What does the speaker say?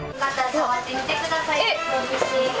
触ってみてください。